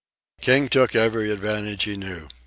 King took every advantage he knew.